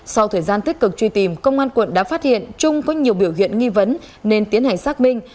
sau thời gian tích cực truy tìm công an quận đã phát hiện trung có nhiều biểu hiện nghi vấn nên tiến hành xác minh